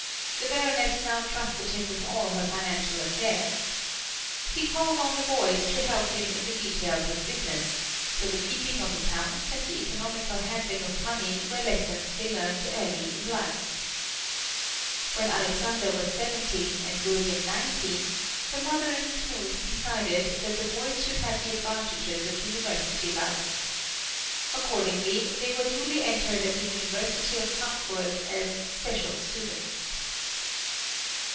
The Baroness now trusted him with all her financial affairs. He called on the boys to help him in the details of business, so the keeping of accounts and the economical handling of money were lessons they learned early in life. When Alexander was seventeen and William nineteen, the mother and Knuth decided that the boys should have the advantages of university life. Accordingly they were duly entered at the University of Frankfort as "special students."